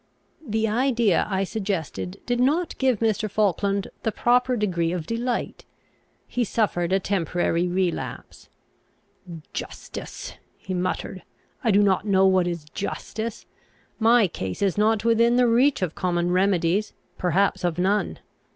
The idea I suggested did not give Mr. Falkland the proper degree of delight. He suffered a temporary relapse. "Justice!" he muttered. "I do not know what is justice. My case is not within the reach of common remedies; perhaps of none.